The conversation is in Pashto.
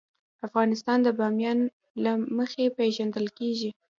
افغانستان د بامیان له مخې پېژندل کېږي.